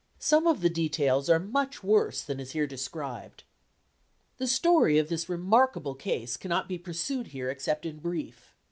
Some of the details are much worse than is here described. "The story of this remarkable case cannot be pursued here except in brief....